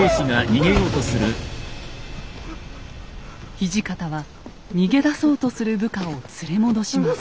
土方は逃げ出そうとする部下を連れ戻します。